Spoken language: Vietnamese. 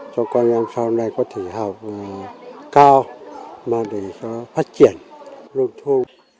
cho con em sau này có thể học cao mà để có phát triển luôn thu